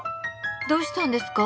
どうしたんですか？